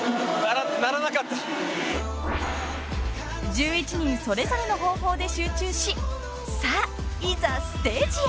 ［１１人それぞれの方法で集中しさあいざステージへ！］